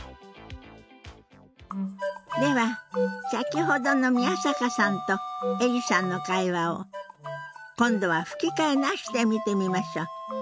では先ほどの宮坂さんとエリさんの会話を今度は吹き替えなしで見てみましょう。